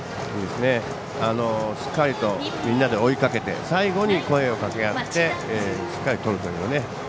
しっかりとみんなで追いかけて最後に声をかけ合ってしっかりとるという。